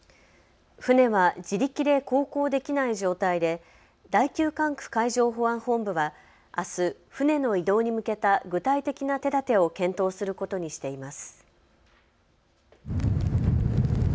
船は自力で航行できない状態で第９管区海上保安本部はあす船の移動に向けた具体的な手だてを検討することにしています。